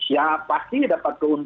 ya pasti mendapat keuntungan